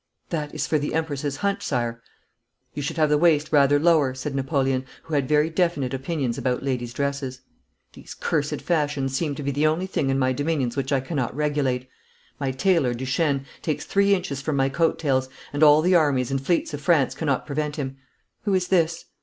'That is for the Empress's hunt, Sire.' 'You should have the waist rather lower,' said Napoleon, who had very definite opinions about ladies' dresses. 'These cursed fashions seem to be the only thing in my dominions which I cannot regulate. My tailor, Duchesne, takes three inches from my coat tails, and all the armies and fleets of France cannot prevent him. Who is this?'